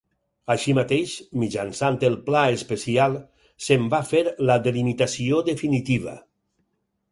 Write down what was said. Així mateix, mitjançant el Pla especial, se'n va fer la delimitació definitiva.